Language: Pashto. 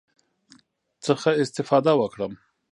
څخه استفاده وکړم،